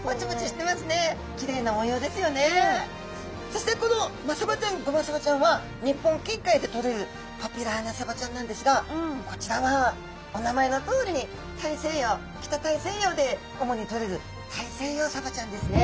そしてこのマサバちゃんゴマサバちゃんは日本近海でとれるポピュラーなサバちゃんなんですがこちらはお名前のとおりに大西洋北大西洋で主にとれるタイセイヨウサバちゃんですね。